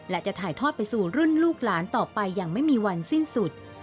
และจะถ่ายทอดไปสู่รุ่นลูกหลานต่อไปอย่างไม่มีวันสิ้นสุด